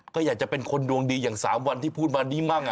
ก็อยากจะเป็นคนดวงดีอย่าง๓วันที่พูดมานี้มั่ง